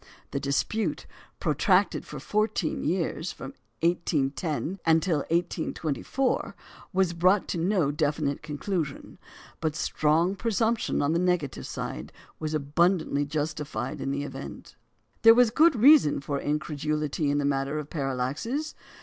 The dispute, protracted for fourteen years, from 1810 until 1824, was brought to no definite conclusion; but the strong presumption on the negative side was abundantly justified in the event. There was good reason for incredulity in the matter of parallaxes.